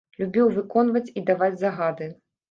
Любіў выконваць і даваць загады.